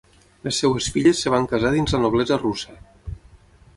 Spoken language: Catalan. Les seves filles es van casar dins la noblesa russa.